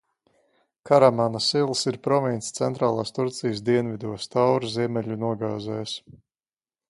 Karamanas ils ir province centrālās Turcijas dienvidos, Taura ziemeļu nogāzēs.